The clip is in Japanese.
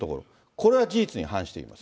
これは事実に反しています。